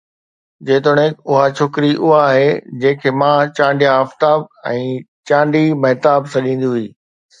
جيتوڻيڪ اها ڇوڪري اها آهي، جنهن کي ماءُ چانڊيا آفتاب ۽ چانڊي مهتاب سڏيندي هئي